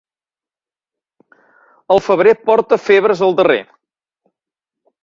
El febrer porta febres al darrer.